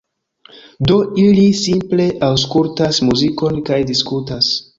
Do, ili simple aŭskultas muzikon kaj diskutas